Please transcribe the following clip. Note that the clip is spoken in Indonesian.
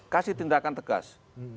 kasih tindakan tegas